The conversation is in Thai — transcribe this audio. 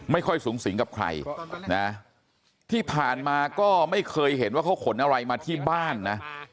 ไม่ค่อยสูงสิงกับใครนะที่ผ่านมาก็ไม่เคยเห็นว่าเขาขนอะไรมาที่บ้านนะ